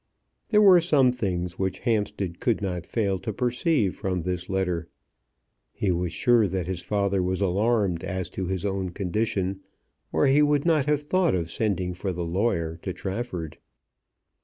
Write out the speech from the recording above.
There were some things which Hampstead could not fail to perceive from this letter. He was sure that his father was alarmed as to his own condition, or he would not have thought of sending for the lawyer to Trafford.